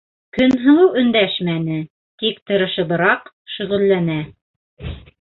Көнһылыу өндәшмәне, тик тырышыбыраҡ шөғөлләнә